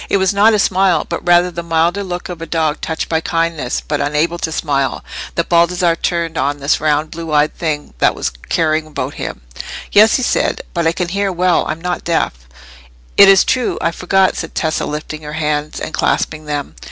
It was not a smile, but rather the milder look of a dog touched by kindness, but unable to smile, that Baldassarre turned on this round blue eyed thing that was caring about him. "Yes," he said; "but I can hear well—I'm not deaf." "It is true; I forgot," said Tessa, lifting her hands and clasping them.